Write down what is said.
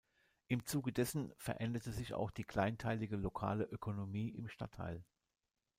Im Zuge dessen veränderte sich auch die kleinteilige lokale Ökonomie im Stadtteil.